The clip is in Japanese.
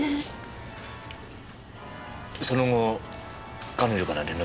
その後彼女から連絡は？